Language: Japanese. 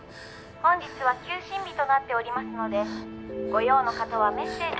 「本日は休診日となっておりますのでご用の方はメッセージ」